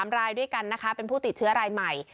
๓รายด้วยกันนะคะเป็นผู้ติดเชื้อรายใหม่